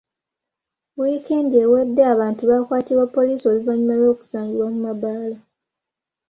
Wiikendi ewedde abantu bakwatibwa poliisi oluvannyuma lw’okusangibwa mu mabaala.